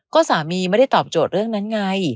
ก็สามีไม่ได้ตอบโจทย์เรื่องนั้นไง